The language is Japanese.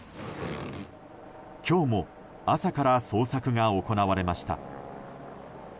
今日も朝から捜索が行われました。